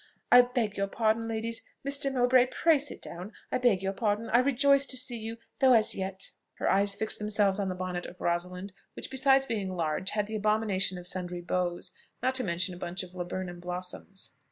I beg your pardon, ladies. Mr. Mowbray, pray sit down I beg your pardon: I rejoice to see you, though as yet " Her eyes fixed themselves on the bonnet of Rosalind, which, besides being large, had the abomination of sundry bows, not to mention a bunch of laburnum blossoms.